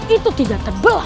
itu tidak terbelah